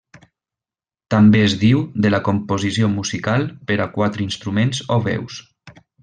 També es diu de la composició musical per a quatre instruments o veus.